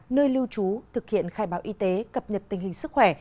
nơi lưu trú thực hiện khai báo y tế cập nhật tình hình sức khỏe